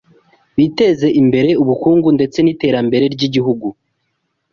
biteza imbere ubukungu ndetse niterambere ryigihugu